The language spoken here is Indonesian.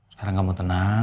sekarang kamu tenang